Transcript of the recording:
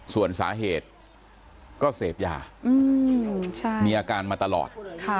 ส่วนสาเหตุก็เสพยามีอาการมาตลอด